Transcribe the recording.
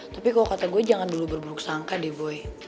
tapi kalau kata gue jangan dulu berburuk sangka deh gue